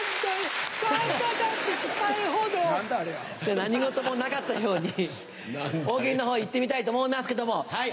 何事もなかったように「大喜利」のほう行ってみたいと思いますけども。